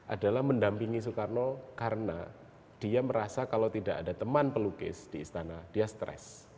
adalah mendampingi soekarno karena dia merasa kalau tidak ada teman pelukis di istana dia stres